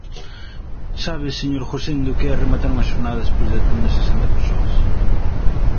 ¿Sabe, señor Gosende, o que é rematar unha xornada despois de atender sesenta persoas?